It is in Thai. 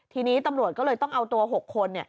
ทีนี้ตำรวจก็เลยต้องเอาตัว๖คน